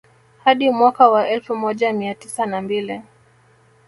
Hadi mwaka wa elfu moja mia tisa na mbili